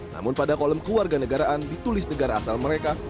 namun pada kolom keluarga negaraan ditulis negara asal mereka